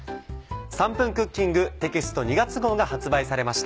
『３分クッキング』テキスト２月号が発売されました。